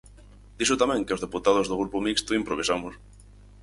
Dixo tamén que as deputadas do Grupo Mixto improvisamos.